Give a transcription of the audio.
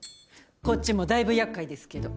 こっちもだいぶ厄介ですけど。